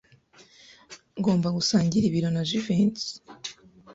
Ngomba gusangira ibiro na Jivency.